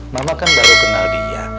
mama kan baru kenal dia